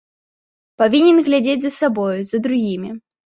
Павінен глядзець за сабою, за другімі.